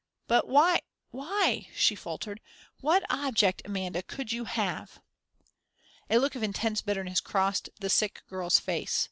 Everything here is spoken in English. "But why why," she faltered, "what object, Amanda, could you have?" A look of intense bitterness crossed the sick girl's face.